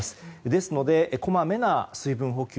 ですのでこまめな水分補給